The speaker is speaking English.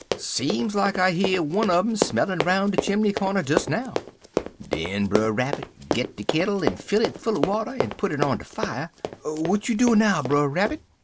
"'Seem like I hear one un um smellin' roun' de chimbly cornder des now.' "Den Brer Rabbit git de kittle en fill it full er water, en put it on de fier. "'W'at you doin' now, Brer Rabbit?'